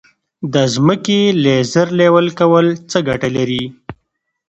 د ځمکې لیزر لیول کول څه ګټه لري؟